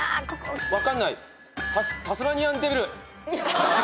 分かんない。